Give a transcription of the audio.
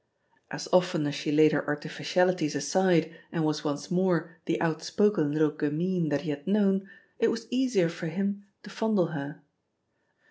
As often as she laid her artificialities aside and was once more the out spoken little gamine that he had known, it was easier for him to fondle her.